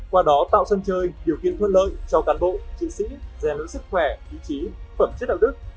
qua đó tạo sân chơi điều kiện thuận lợi cho cán bộ trị sĩ gian lưỡi sức khỏe ý chí phẩm chất đạo đức